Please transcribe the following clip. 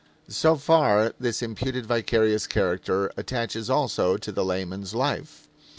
So far this imputed vicarious character attaches also to the layman's life.